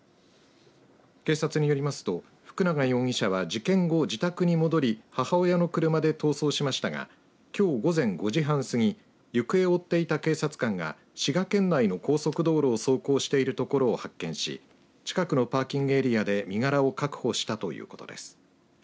警察によりますと福永容疑者は、事件後自宅に戻り母親の車で逃走しましたがきょう午前５時半すぎ行方を追っていた警察官が滋賀県内の高速道路を走行しているところを発見し近くのパーキングエリアで身柄を確保したということです。